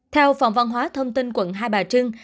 theo phòng văn hóa thông tin quận hai bà trưng